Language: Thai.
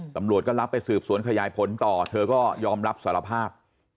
ตำรวจก็รับไปสืบสวนขยายผลต่อเธอก็ยอมรับสารภาพ